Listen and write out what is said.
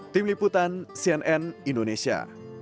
tim liputan cnn indonesia